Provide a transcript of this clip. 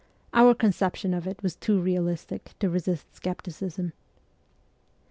Our conception of it was too realistic to resist scepticism.